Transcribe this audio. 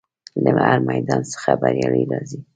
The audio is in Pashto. له هر میدان څخه بریالی راځي.